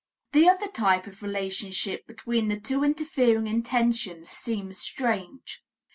The other type of relationship between the two interfering intentions seems strange.